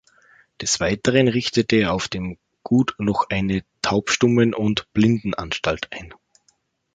Des Weiteren richtete er auf dem Gut noch eine Taubstummen- und Blindenanstalt ein.